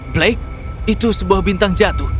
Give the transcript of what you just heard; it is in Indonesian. blake itu sebuah bintang jatuh